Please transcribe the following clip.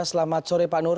selamat sore pak nur